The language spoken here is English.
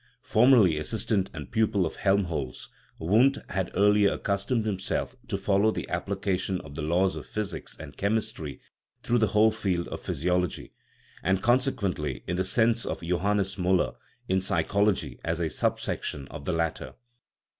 Formerly assistant and pupil of Helmholz, Wundt had early accustomed himself to follow the ap plication of the laws of physics and chemistry through the whole field of physiology, and, consequently, in the sense of Johannes Miiller, in psychology, as a sub section of the latter.